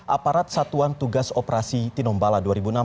aparat satuan tugas operasi tinombala dua ribu enam belas